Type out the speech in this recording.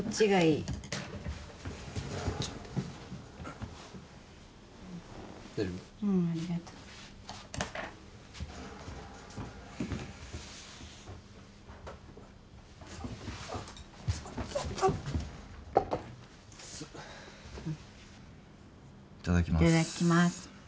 いただきます。